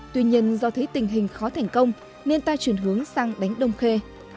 tuy nhiên do thấy tình hình khó thành công nên ta chuyển hướng sang đánh đông khê